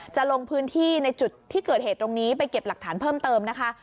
จะลงพื้นที่ในจุดที่เกิดเหตุตรงนี้ไปเก็บหลักฐานเพิ่มเติมนะคะ